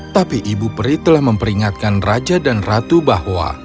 tapi ibu peri telah memperingatkan raja dan ratu bahwa